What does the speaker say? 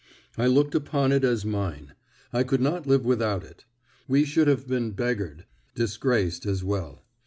I looked upon it as mine. I could not live without it. We should have been beggared disgraced as well.